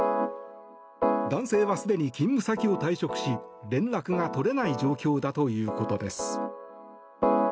男性はすでに勤務先を退職し連絡が取れない状況だということです。